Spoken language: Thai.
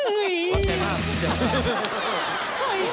กับพอรู้ดวงชะตาของเขาแล้วนะครับ